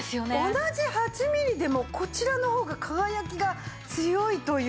同じ８ミリでもこちらのほうが輝きが強いというか。